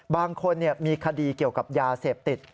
บางคนมีคดีเกี่ยวกับยาเสพติด